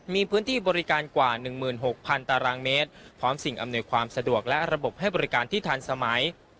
มีพื้นที่บริการกว่า๑๖๐๐๐ตารางเมตรพร้อมสิ่งอำนวยความสะดวกและระบบให้บริการที่ทันสมัย